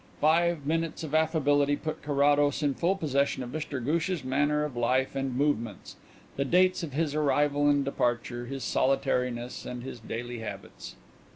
Five minutes of affability put Carrados in full possession of Mr Ghoosh's manner of life and movements the dates of his arrival and departure, his solitariness and his daily habits.